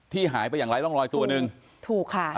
หายไปอย่างไร้ร่องรอยตัวหนึ่งถูกค่ะ